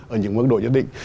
ở những mức độ nhất định